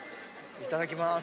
いただきます。